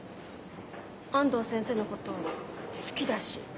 安藤先生のこと好きだし。